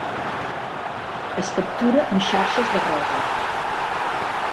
Es captura amb xarxes de ròssec.